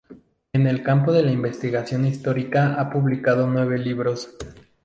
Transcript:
En el campo de la investigación histórica ha publicado nueve libros.